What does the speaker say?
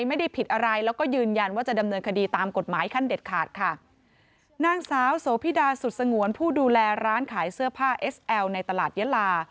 ไม่ได้ผิดอะไรแล้วก็ยืนยันว่าจะดำเนินคดีตามกฎหมายขั้นเด็ดขาดค่ะนางสาวโสพิดาสุดสงวนผู้ดูแลร้านขายเสื้อผ้าเอสแอลในตลาดยะลา